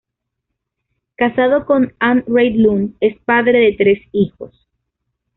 Casado con Ann Reid Lund, es padre de tres hijos.